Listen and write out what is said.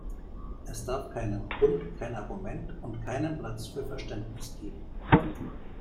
Es darf keinen Grund, kein Argument und keinen Platz für Verständnis geben.